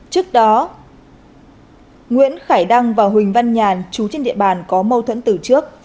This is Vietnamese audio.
trước đó nguyễn khải đăng và huỳnh văn nhàn chú trên địa bàn có mâu thuẫn từ trước